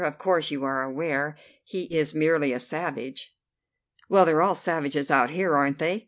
Of course you are aware he is merely a savage." "Well, they're all savages out here, aren't they?